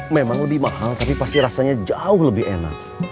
memang lebih mahal tapi pasti rasanya jauh lebih enak